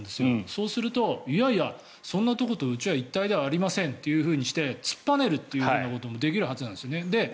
そうすると、いやいやそんなところとうちは一体ではありませんとして突っぱねることもできるはずなんですよね。